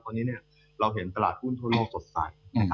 ตอนนี้เราเห็นประหลาดคู่และธนโรคสดใส